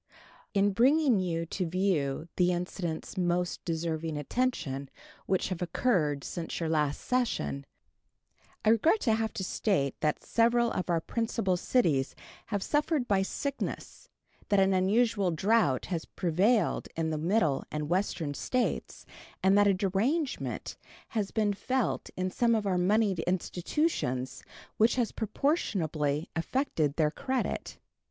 In bringing you to view the incidents most deserving attention which have occurred since your last session, I regret to have to state that several of our principal cities have suffered by sickness, that an unusual drought has prevailed in the Middle and Western States, and that a derangement has been felt in some of our moneyed institutions which has proportionably affected their credit.